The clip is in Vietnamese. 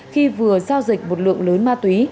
khi vừa giao dịch một lượng lớn ma túy